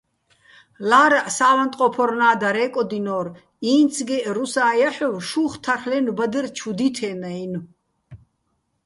ლა́რაჸ სა́ვანტყოფორნა́ დარე́კოდინორ: ინცგეჸ რუსაჼ ჲაჰ̦ოვ შუხ თარ'ლენო̆ ბადერ ჩუ დითენაჲნო̆.